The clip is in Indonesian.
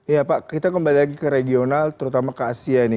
ya pak kita kembali lagi ke regional terutama ke asia ini